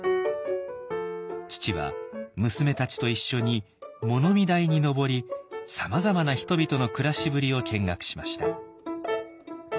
父は娘たちと一緒に物見台に上りさまざまな人々の暮らしぶりを見学しました。